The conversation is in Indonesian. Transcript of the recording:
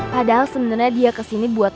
padahal sebenarnya dia kesini buat